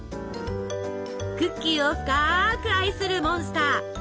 クッキーを深く愛するモンスター。